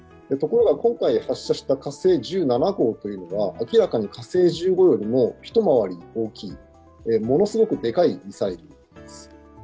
ところが今回発射した火星１７型は明らかに火星１５よりも一回り大きいものすごくでかいミサイルです。